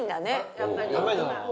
やっぱり。